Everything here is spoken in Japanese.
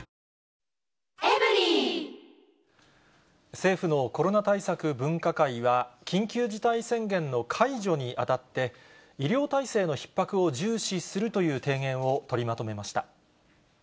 政府のコロナ対策分科会は、緊急事態宣言の解除にあたって、医療体制のひっ迫を重視するという提言を取りまとめました。